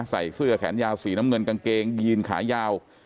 ใส่เสื้อแขนยาวสีน้ำเงินกางเกงยีนขายาว